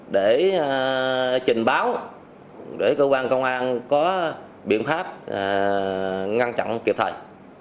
để trình báo để cơ quan công an có biện pháp ngăn chặn kịp thời